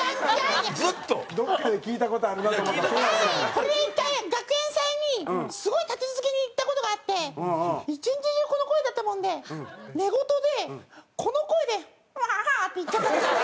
これで１回学園祭にすごい立て続けに行った事があって一日中この声だったもんで寝言でこの声で「ワハハハ！」って言っちゃったんですよ。